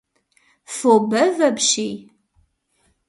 Фо бэв апщий.